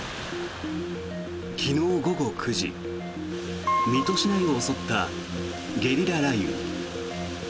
昨日午後９時水戸市内を襲ったゲリラ雷雨。